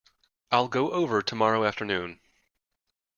I'll go over tomorrow afternoon.